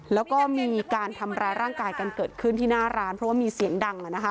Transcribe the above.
แล้วก็มีการทำร้ายร่างกายกันเกิดขึ้นที่หน้าร้านเพราะว่ามีเสียงดัง